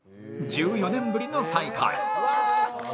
１４年ぶりの再会